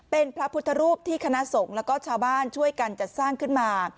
เป็นพระพุทธรูปที่คณะสงฆ์แล้วก็ชาวบ้านช่วยกันจัดสร้างขึ้นมา